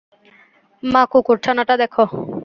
মা, কুকুরছানাটা দেখ।